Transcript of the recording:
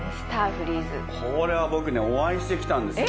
これは僕ねお会いしてきたんですよ。